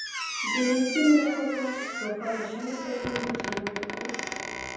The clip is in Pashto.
د مېزونو له پاسه روښانه شمعې پرتې وې چې رڼا یې کوله.